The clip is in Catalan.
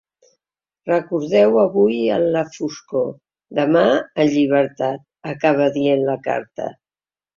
Recordeu-ho avui en la foscor, demà en llibertat, acaba dient la carta.